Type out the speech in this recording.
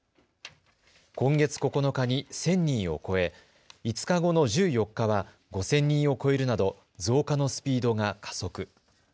今月９日に１０００人を超え５日後の１４日は５０００人を超えるなど増加のスピードが加速。